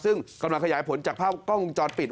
ซึ่งกำลังขยายผลจากภาพกล้องวงจรปิด